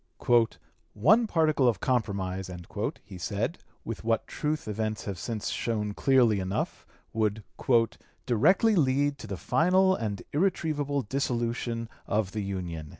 "One particle of compromise," he said, with what truth events have since shown clearly enough, would "directly lead to the final and irretrievable dissolution of the Union."